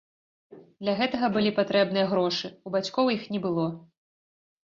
Для гэтага былі патрэбныя грошы, у бацькоў іх не было.